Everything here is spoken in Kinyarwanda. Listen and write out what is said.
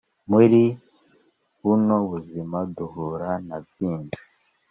muri buno buzima duhra na byinshi